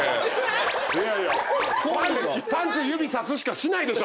パンツ指さすしかしないでしょ。